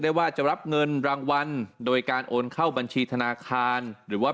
ว่าจะรับเงินรางวัลโดยการโอนเข้าบัญชีธนาคารหรือว่า